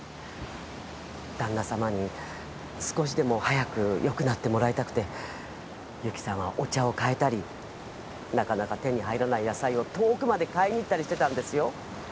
旦那さまに少しでも早くよくなってもらいたくて友紀さんはお茶を替えたりなかなか手に入らない野菜を遠くまで買いに行ったりしてたんですよ